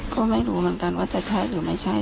ก็ไม่รู้เหมือนกันว่าจะใช่หรือไม่ใช่